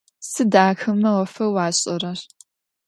Сыд ахэмэ ӏофэу ашӏэрэр?